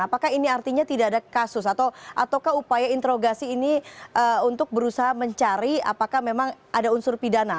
apakah ini artinya tidak ada kasus ataukah upaya interogasi ini untuk berusaha mencari apakah memang ada unsur pidana